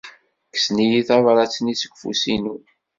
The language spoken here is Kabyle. Kksen-iyi tabṛat-nni seg ufus-inu.